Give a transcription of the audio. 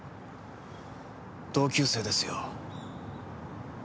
同級生ですよ。